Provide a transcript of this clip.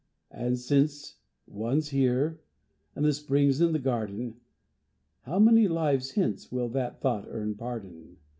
And, since one's here, and the Spring's in the garden (How many lives hence will that thought earn pardon?)